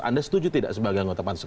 anda setuju tidak sebagai anggota pansus